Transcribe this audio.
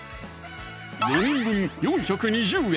４人分４２０円